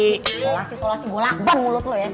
isolasi isolasi gua laban mulut lo ya